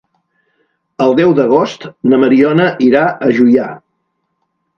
El deu d'agost na Mariona irà a Juià.